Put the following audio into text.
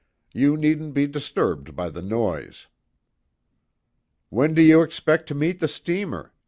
"You needn't be disturbed by the noise." "When do you expect to meet the steamer?"